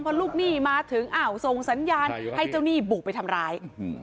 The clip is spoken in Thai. พอลูกหนี้มาถึงอ้าวส่งสัญญาณให้เจ้าหนี้บุกไปทำร้าย